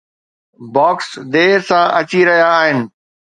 Box دير سان اچي رهيا آهن.